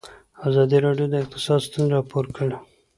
ازادي راډیو د اقتصاد ستونزې راپور کړي.